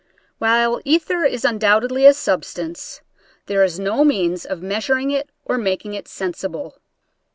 While ether is undoubtedly a substance, there is no means of measuring it or making it sensible.